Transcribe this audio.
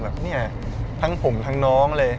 แบบเนี่ยทั้งผมทั้งน้องเลย